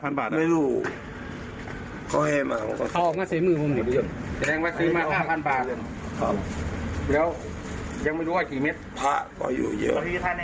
ผมฟังว่าเป็นไห่ไตกันนะน้านักมิจแน่นอดแล้ว